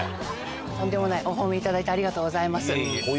とんでもないお褒めいただいてありがとうございます。